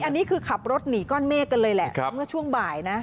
อันนี้คือขับรถหนีก้อนเมฆกันเลยแหละเมื่อช่วงบ่ายนะ